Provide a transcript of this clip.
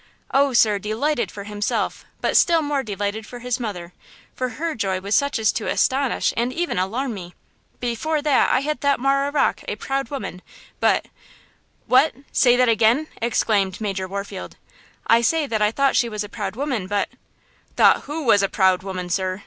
"Oh, sir! delighted for himself, but still more delighted for his mother; for her joy was such as to astonish and even alarm me! Before that I had thought Marah Rocke a proud woman, but–" "What!–say that again!" exclaimed Major Warfield. "I say that I thought she was a proud woman, but–" "Thought who was a proud woman, sir?"